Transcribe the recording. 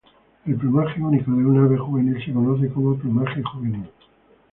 El plumaje único de un ave juvenil se conoce como plumaje juvenil.